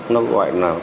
nó gọi là